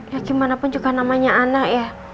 ya gimana pun juga namanya anak ya